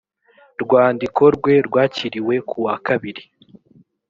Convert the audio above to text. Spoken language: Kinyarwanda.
rwandiko rwe rwakiriwe ku wa kabiri